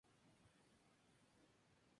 Tomaron el nombre de "Portillo de la Ensenada".